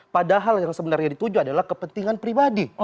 padahal yang sebenarnya dituju adalah kepentingan pribadi